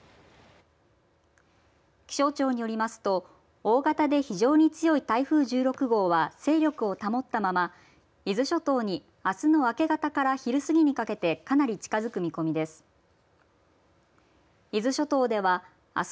気象庁によりますと大型で非常に強い台風１６号は勢力を保ったまま伊豆諸島に、あすの明け方から昼過ぎにかけてかなり近づく見込みです。